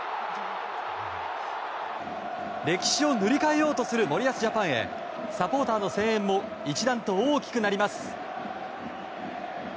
歴史を塗り替えようとする森保ジャパンへサポーターの声援も一段と大きくなります。